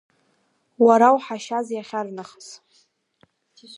Уара уҳашьаз иахьарнахыс!